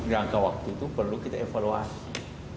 jangka waktu itu perlu kita evaluasi